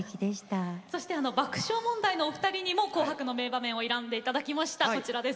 爆笑問題の２人にも「紅白」の名場面を選んでいただきました。